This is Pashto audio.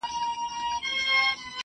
تاسي په خپلو لاسونو کي صفايي خوښوئ.